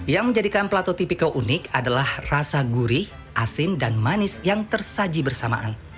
yang menjadikan plato tipiko unik adalah rasa gurih asin dan manis yang tersaji bersamaan